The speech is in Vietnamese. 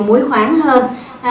múi khoáng hơn